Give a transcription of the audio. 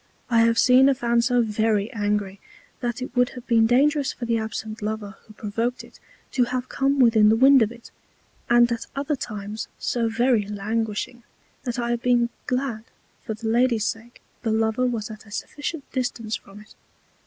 I have seen a Fan so very Angry, that it would have been dangerous for the absent Lover who provoked it to have come within the Wind of it; and at other times so very languishing, that I have been glad for the Lady's sake the Lover was at a sufficient Distance from it.